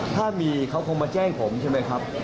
ถ้ามีเขาคงมาแจ้งผมใช่ไหมครับ